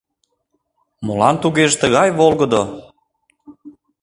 Молан тугеже тыгай волгыдо?..